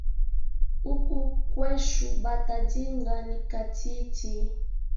Huku kwechu bata ndhinga ni kathiithi